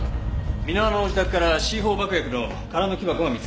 箕輪の自宅からＣ−４爆薬の空の木箱が見つかった。